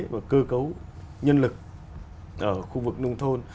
và cơ cấu nhân lực ở khu vực nông thôn